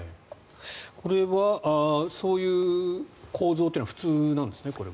これはそういう構造というのは普通なんですね。